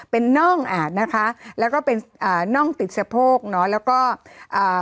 เป็นน่องอาดนะคะแล้วก็เป็นอ่าน่องติดสะโพกเนอะแล้วก็อ่า